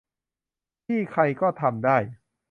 ที่ใครก็ทำได้